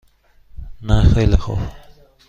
نه خیلی خوب.